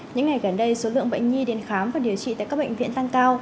những ngày gần đây số lượng bệnh nhi đến khám và điều trị tại các bệnh viện tăng cao